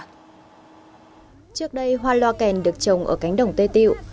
trước đây hoa loa kèn được trồng ở cánh đồng tây tiệu